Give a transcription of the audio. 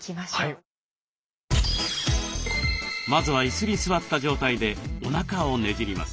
まずは椅子に座った状態でおなかをねじります。